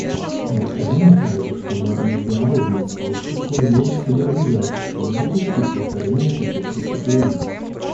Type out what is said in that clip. Необходимо также, чтобы международное сообщество взяло на себя обязательство не допустить повторения таких преступлений.